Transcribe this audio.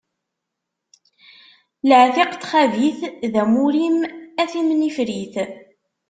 Laɛtiq n txabit, d amur-im a timnifrit.